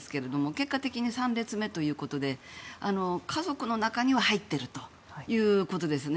結果的に３列目ということで家族の中には入っているということですね。